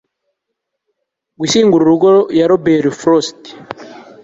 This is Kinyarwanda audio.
gushyingura urugo ya robert frost